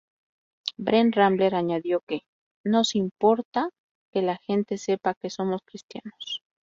Brent Rambler añadió que "Nos importa que la gente sepa que somos Cristianos.